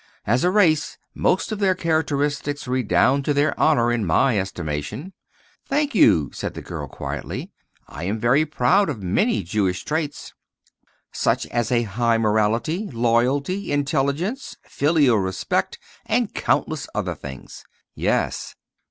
As a race, most of their characteristics redound to their honor, in my estimation." "Thank you," said the girl, quietly. "I am very proud of many Jewish traits." "Such as a high morality, loyalty, intelligence, filial respect, and countless other things." "Yes."